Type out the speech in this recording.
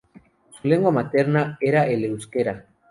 Su lengua materna era el euskera.